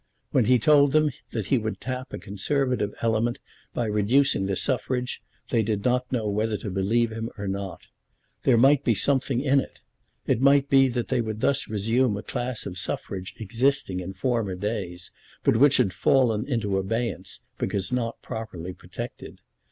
When he told them that he would tap a Conservative element by reducing the suffrage they did not know whether to believe him or not. There might be something in it. It might be that they would thus resume a class of suffrage existing in former days, but which had fallen into abeyance, because not properly protected.